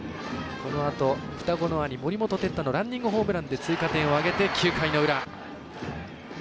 このあと、双子の兄・森本哲太のランニングホームランで追加点を挙げて９回の裏。